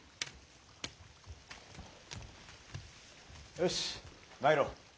よし参ろう。